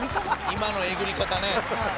今のえぐり方ね。